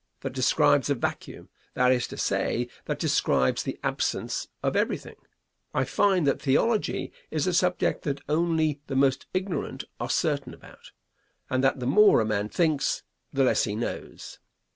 That describes a vacuum, that is to say, that describes the absence of everything. I find that theology is a subject that only the most ignorant are certain about, and that the more a man thinks, the less he knows.